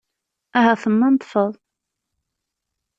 Ahat temmendfeḍ?